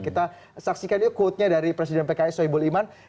kita saksikan yuk quote nya dari presiden pks soebul iman